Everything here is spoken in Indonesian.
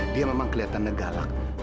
dia memang kelihatannya galak